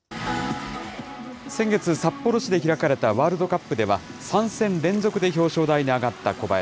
先月、札幌市で開かれたワールドカップでは、３戦連続で表彰台に上がった小林。